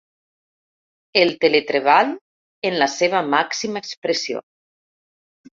El teletreball, en la seva màxima expressió.